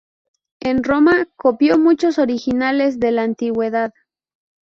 En Roma, copió muchos originales de la antigüedad.